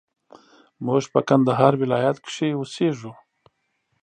موږ په کندهار ولايت کښي اوسېږو